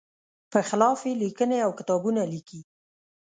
په خلاف یې لیکنې او کتابونه لیکي.